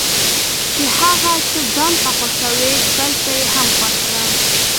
چې هغه څه ځانته خوښوي بل ته یې هم خوښ کړي.